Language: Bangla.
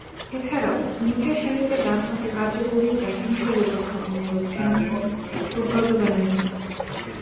এছাড়াও, নিচেরসারিতে ডানহাতে কার্যকরী ব্যাটিংশৈলী উপস্থাপন করেছেন সুব্রত ব্যানার্জী।